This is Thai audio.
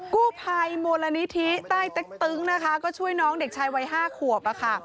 กู้ภัยมูลนิธิใต้เต็กตึงนะคะก็ช่วยน้องเด็กชายวัย๕ขวบอะค่ะ